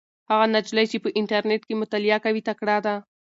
هغه نجلۍ چې په انټرنيټ کې مطالعه کوي تکړه ده.